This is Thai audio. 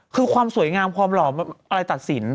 คือความสวยงามความหล่ออะไรตัดสิน